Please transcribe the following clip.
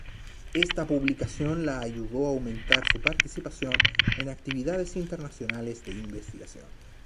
Esta publicación la ayudó a aumentar su participación en actividades internacionales de investigación.